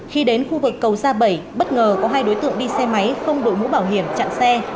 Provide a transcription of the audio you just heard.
khi đến khu vực cầu gia bảy bất ngờ có hai đối tượng đi xe máy không đội mũ bảo hiểm chặn xe